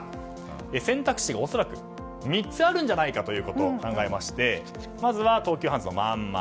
選択肢が恐らく３つあるんじゃないかということを考えましてまずは東急ハンズのまんま。